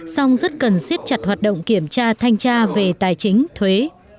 song rất cần siết chặt hoạt động kiểm tra thanh tra về tài chính thuế